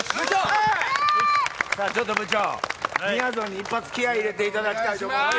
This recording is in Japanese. ちょっと部長、みやぞんに一発、気合いを入れていただきたいと思います。